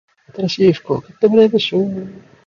新しい服を買ってもらいました